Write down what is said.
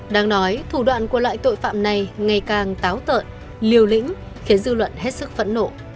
đang nói thủ đoạn của loại tội phạm này ngày càng táo tợn liều lĩnh khiến dư luận hết sức phẫn nộ